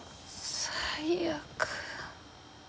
最悪。